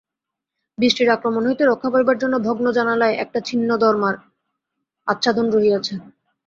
বৃষ্টির আক্রমণ হইতে রক্ষা পাইবার জন্য ভগ্ন জানালায় একটা ছিন্ন দরমার আচ্ছাদন রহিয়াছে।